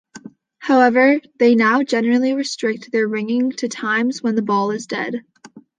However, they now generally restrict their ringing to times when the ball is dead.